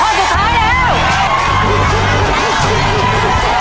อีกครั้งเดี๋ยวพ้น